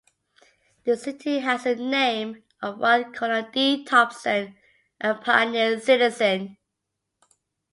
The city has the name of one Colonel Dee Thompson, a pioneer citizen.